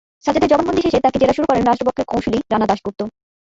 সাজ্জাদের জবানবন্দি শেষে তাঁকে জেরা শুরু করেন রাষ্ট্রপক্ষের কৌঁসুলি রানা দাশগুপ্ত।